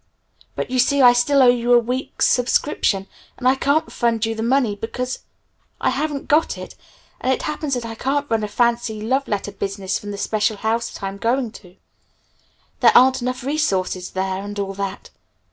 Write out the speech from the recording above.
But you see I still owe you a week's subscription and I can't refund you the money because I haven't got it. And it happens that I can't run a fancy love letter business from the special house that I'm going to. There aren't enough resources there and all that.